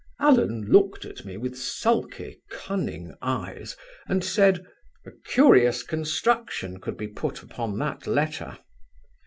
Allen looked at me with sulky, cunning eyes and said: "'A curious construction could be put upon that letter.'